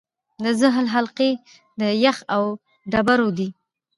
د زحل حلقې د یخ او ډبرو دي.